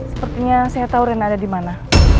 sepertinya saya tahu rena ada di mana